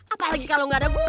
apalagi kalau gak ada gue